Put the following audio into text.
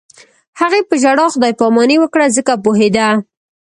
هغې په ژړا خدای پاماني وکړه ځکه پوهېده